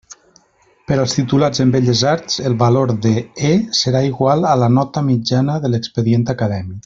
Per als titulats en Belles Arts el valor de E serà igual a la nota mitjana de l'expedient acadèmic.